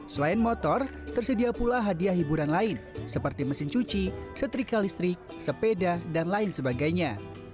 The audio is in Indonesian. selain motor tersedia pula hadiah hiburan lain seperti mesin cuci setrika listrik sepeda dan lain sebagainya